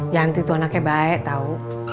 yanti tuh anaknya baik tau